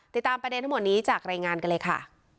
ติดตามประเด็นทั้งหมดนี้จากรายงานกันเลยค่ะ